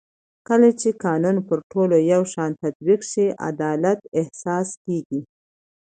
کله چې قانون پر ټولو یو شان تطبیق شي عدالت احساس کېږي